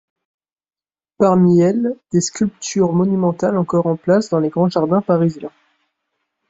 Parmi elles, des sculptures monumentales encore en place dans les grands jardins parisiens.